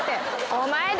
「お前だ！」